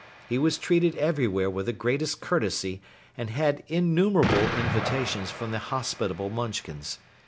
He was treated everywhere with the greatest courtesy and had innumerable invitations from the hospitable Munchkins.